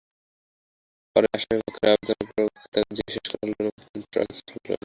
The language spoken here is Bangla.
পরে আসামিপক্ষের আবেদনের পরিপ্রেক্ষিতে তাঁকে জেরা শেষ করার অনুমতি দেন ট্রাইব্যুনাল।